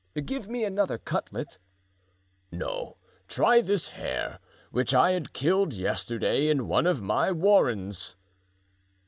"Give me another cutlet." "No, try this hare, which I had killed yesterday in one of my warrens."